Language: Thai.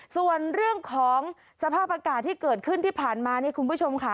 ส่วนเรื่องของสภาพอากาศที่เกิดขึ้นที่ผ่านมานี่คุณผู้ชมค่ะ